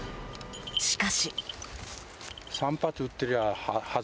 しかし。